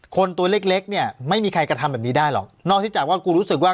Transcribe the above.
ตัวเล็กเล็กเนี่ยไม่มีใครกระทำแบบนี้ได้หรอกนอกที่จากว่ากูรู้สึกว่า